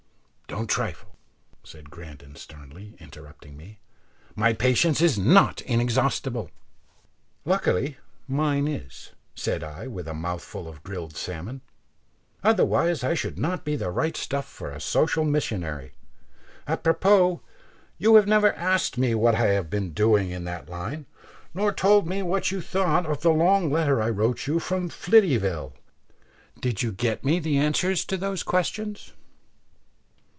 "Don't trifle," said Grandon, sternly, interrupting me; "my patience is not inexhaustible." "Luckily mine is," said I, with my mouth full of grilled salmon, "otherwise I should not be the right stuff for a social missionary. Apropos, you have never asked me what I have been doing in that line; nor told me what you thought of the long letter I wrote you from Flityville. Did you get me the answers to those questions?"